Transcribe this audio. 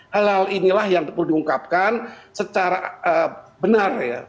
hal hal inilah yang perlu diungkapkan secara benar ya